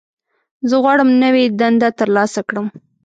زه غواړم نوې دنده ترلاسه کړم.